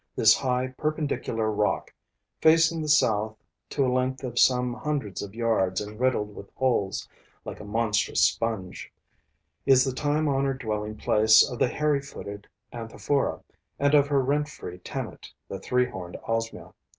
This high, perpendicular rock, facing the south to a length of some hundreds of yards and riddled with holes like a monstrous sponge, is the time honored dwelling place of the hairy footed Anthophora and of her rent free tenant, the three horned Osmia.